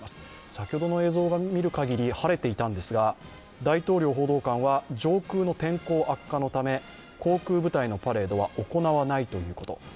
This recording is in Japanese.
先ほどの映像を見るかぎり晴れていたんですが大統領報道官は上空の天候悪化のため航空部隊のパレードは行わないということ。